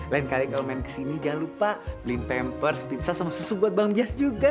lain kali kalau main kesini jangan lupa beli pempers pizza sama susu buat bang jas juga